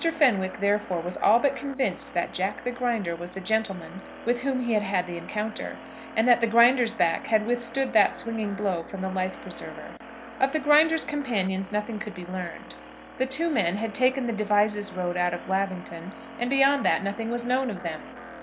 Fenwick therefore was all but convinced that Jack the Grinder was the gentleman with whom he had had the encounter, and that the grinder's back had withstood that swinging blow from the life preserver. Of the Grinder's companions nothing could be learned. The two men had taken the Devizes road out of Lavington, and beyond that nothing was known of them.